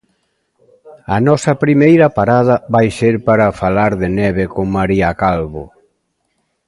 A nosa primeira parada vai ser para falar de neve con María Calvo.